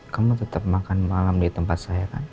kamu tetap makan malam di tempat saya kan